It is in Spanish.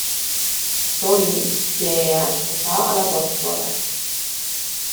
Tony, que ha expresado a la Dra.